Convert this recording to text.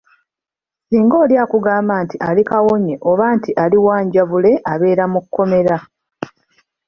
Singa oli akugamba nti ali kawone oba nti ali wanjabule abeera mu kkomera.